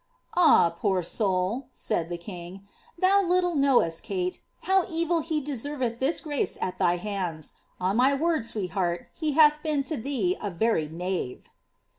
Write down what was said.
•'•Ah ! poor soul," said the king, «* thou little knowest, Kate, how erQ he deserveth this grace at thy hands. On my word, sweetheart, he halh been to thee a verj' knave!"